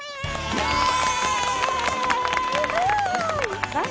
イエーイ！